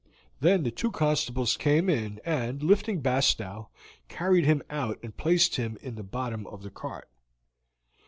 Then the two constables came in, and lifting Bastow, carried him out and placed him in the bottom of the cart.